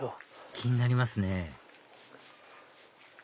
気になりますね